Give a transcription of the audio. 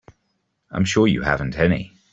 I'm sure you haven't any.